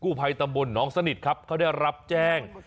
ภัยตำบลน้องสนิทครับเขาได้รับแจ้ง